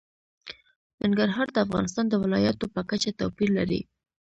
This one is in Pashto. ننګرهار د افغانستان د ولایاتو په کچه توپیر لري.